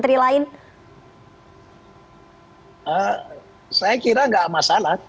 atau mungkin mau tukar guling dengan posisi menteri lain